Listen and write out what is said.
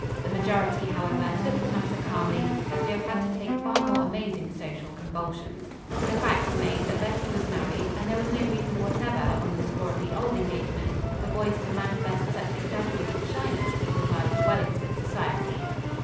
The majority, however, took the matter calmly, as we have had to take far more amazing social convulsions. The fact remained that Betty was married, and there was no reason whatever, on the score of the old engagement, for Boyce to manifest such exaggerated shyness with regard to Wellingsford society.